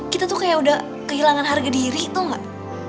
kita tuh kayak udah kehilangan harga diri tau nggak